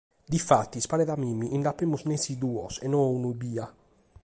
Difatis, paret a mie chi nd’apemus nessi duos e non unu ebbia.